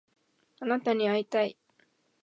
あなたに会いたい